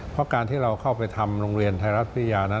เพราะการที่เราเข้าไปทำโรงเรียนไทยรัฐวิทยานั้น